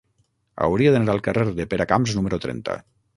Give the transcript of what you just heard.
Hauria d'anar al carrer de Peracamps número trenta.